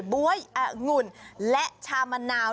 ๊วยองุ่นและชามะนาว